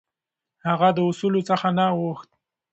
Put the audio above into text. هغه د اصولو څخه نه اوښت.